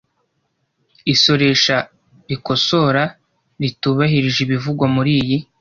Isoresha rikosora ritubahirije ibivugwa muri iyi